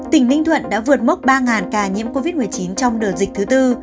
tỉnh ninh thuận đã vượt mốc ba ca nhiễm covid một mươi chín trong đợt dịch thứ tư